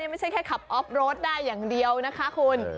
ไม่ใช่แค่ขับออฟรถได้อย่างเดียวนะคะคุณ